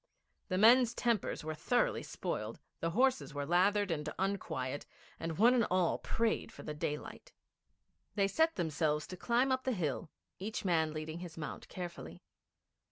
The men's tempers were thoroughly spoiled, the horses were lathered and unquiet, and one and all prayed for the daylight. They set themselves to climb up the hill, each man leading his mount carefully.